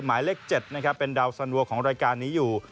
หมายเลข๗เป็นดาวน์๑๐๐๐โวลด์ของรายการนี้อยู่